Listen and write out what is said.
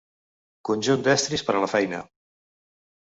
Conjunt d'estris per a la feina.